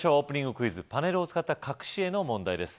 クイズパネルを使った隠し絵の問題です